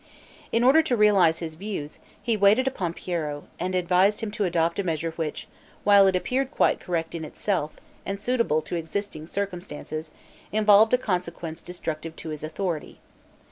In order to realize his views, he waited upon Piero, and advised him to adopt a measure which, while it appeared quite correct in itself, and suitable to existing circumstances, involved a consequence destructive to his authority.